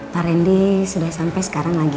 pak randy sudah sampai sekarang lagi